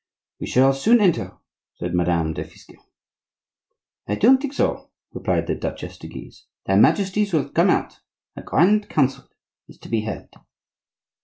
"We shall soon enter," said Madame de Fisque. "I don't think so," replied the Duchesse de Guise. "Their Majesties will come out; a grand council is to be held."